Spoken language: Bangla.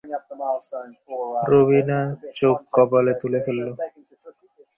রুবিনা চোখ কপালে তুলে ফেলল।